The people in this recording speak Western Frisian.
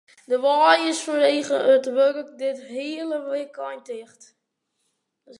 De wei is fanwegen it wurk dit hiele wykein ticht.